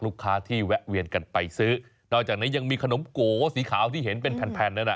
ลูกค้าที่แวะเวียนกันไปซื้อนอกจากนี้ยังมีขนมโกสีขาวที่เห็นเป็นแผ่นแผ่นนั้นน่ะ